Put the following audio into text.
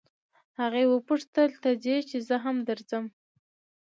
هغې وپوښتل ته ځې چې زه هم درځم.